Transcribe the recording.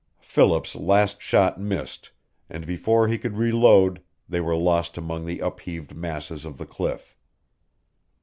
Philip's last shot missed, and before he could reload they were lost among the upheaved masses of the cliff.